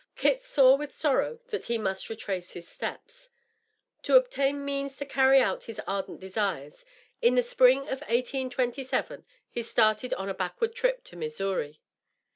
Kit saw with sorrow that he must retrace his steps. To obtain means to carry out his ardent desires, in the spring of 1827 he started on a backward trip to Missouri.